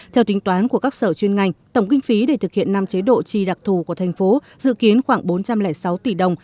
theo tính toán của các sở chuyên ngành tổng kinh phí để thực hiện năm chế độ tri đặc thù của thành phố dự kiến khoảng bốn trăm linh sáu tỷ đồng